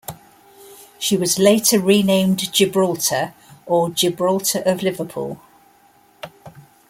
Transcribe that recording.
She was later renamed Gibraltar or Gibraltar of Liverpool.